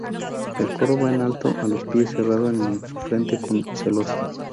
El coro va en alto a los pies cerrado en su frente con celosía.